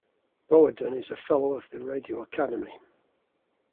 Boaden is a Fellow of The Radio Academy.